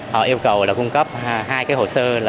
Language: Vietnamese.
họ yêu cầu cung cấp hai hồ sơ